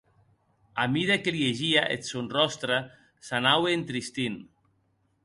A mida que liegie eth sòn ròstre s'anaue entristint.